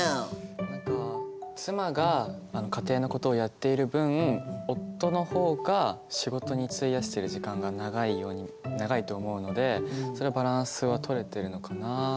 何か妻が家庭のことをやっている分夫の方が仕事に費やしてる時間が長いと思うのでそれでバランスはとれてるのかなっていうふうには。